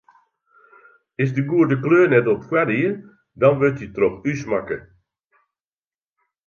Is de goede kleur net op foarried, dan wurdt dy troch ús makke.